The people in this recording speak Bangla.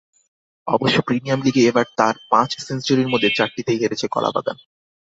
অবশ্য প্রিমিয়ার লিগে এবার তাঁর পাঁচ সেঞ্চুরির মধ্যে চারটিতেই হেরেছে কলাবাগান।